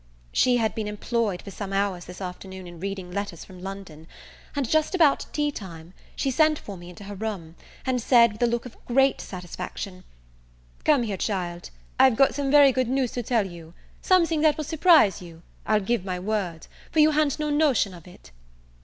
She had been employed for some hours this afternoon in reading letters from London: and, just about tea time, she sent for me into her room, and said, with a look of great satisfaction, "Come here, child, I've got some very good news to tell you: something that will surprise you, I'll give you my word, for you ha'n't no notion of it."